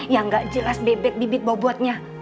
yang gak jelas bebek bibit bobotnya